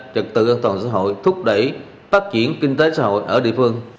trật tự an toàn xã hội thúc đẩy phát triển kinh tế xã hội ở địa phương